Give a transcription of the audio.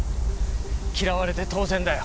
嫌われて当然だよ。